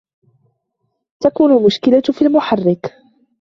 تكمن المشكلة في المحرك.